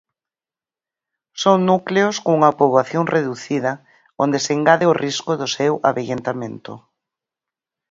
Son núcleos cunha poboación reducida, onde se engade o risco do seu avellentamento.